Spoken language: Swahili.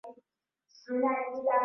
kutoka shirika la kazi la duniani